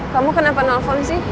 kamu kenapa nelfon sih